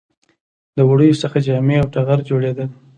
د وړیو څخه جامې او ټغر جوړیدل